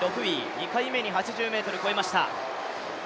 ２回目に８０ｍを越えました。